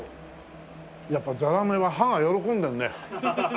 やっぱザラメは歯が喜んでるね。